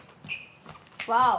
ワオ！